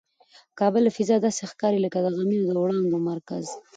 کعبه له فضا داسې ښکاري لکه د غمي د وړانګو مرکز.